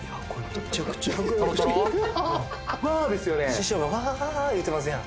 師匠が「わあー」言うてますやん